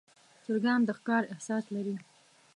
چرګان د ښکار احساس لري.